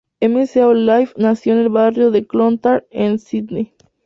McAuliffe nació en el barrio del Clontarf, en Sídney.